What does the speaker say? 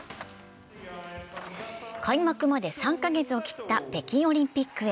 開幕まで３カ月を切った北京オリンピックへ。